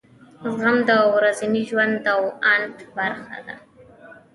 زغم د ورځني ژوند او اند برخه وي.